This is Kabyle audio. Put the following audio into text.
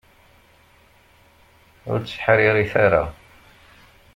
Ur tteḥṛiṛit ara!